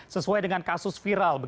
sesuai dengan kasus viral